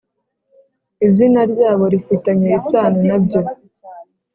izina ryabo rifitanye isano nabyo